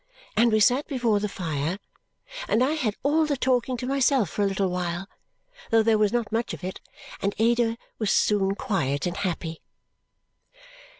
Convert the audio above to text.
And we sat before the fire, and I had all the talking to myself for a little while (though there was not much of it); and Ada was soon quiet and happy.